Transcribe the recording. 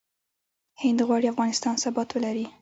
هند غواړي افغانستان ثبات ولري.